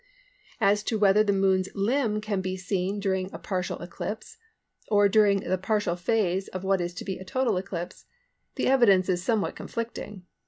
As to whether the Moon's limb can be seen during a partial eclipse, or during the partial phase of what is to be a total eclipse, the evidence is somewhat conflicting.